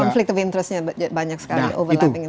konflik interestnya banyak sekali